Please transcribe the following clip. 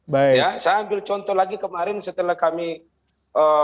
saya ambil contoh lagi kemarin setelah kami bicara di jokowi